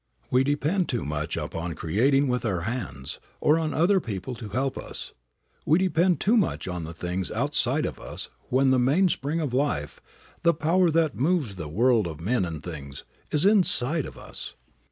We depend too much upon creating with our hands, or on other people to help us. We depend too much on the things outside of us when the mainspring of life, the power that moves the world of men and things, is inside of us.